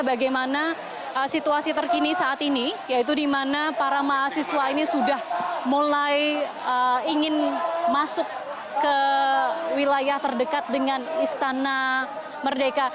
bagaimana situasi terkini saat ini yaitu di mana para mahasiswa ini sudah mulai ingin masuk ke wilayah terdekat dengan istana merdeka